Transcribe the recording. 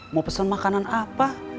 mau pesen makanan apa